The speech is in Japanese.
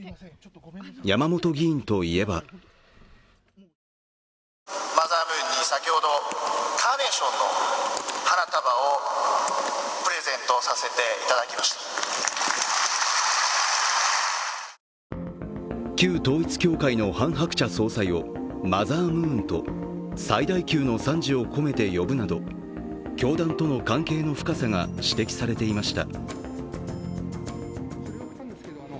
山本議員といえば旧統一教会のハン・ハクチャ総裁をマザームーンと最大級の賛辞を込めて呼ぶなど教団との関係の深さが指摘されていました。